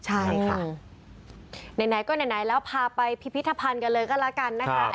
ใช่ค่ะไหนก็ไหนแล้วพาไปพิพิธภัณฑ์กันเลยก็แล้วกันนะคะ